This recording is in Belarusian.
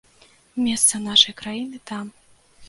Месца нашай краіны там.